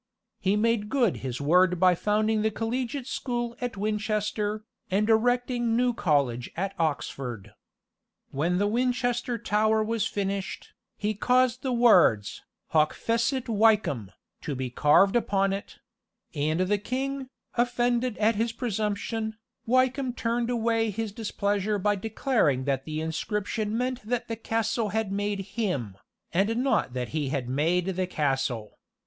He made good his word by founding the collegiate school at Winchester, and erecting New College at Oxford. When the Winchester Tower was finished, he caused the words, HOC FECIT WYKEHAM, to be carved upon it; and the king, offended at his presumption, Wykeham turned away his displeasure by declaring that the inscription meant that the castle had made him, and not that he had made the castle.